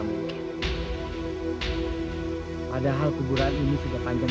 kayak begini arian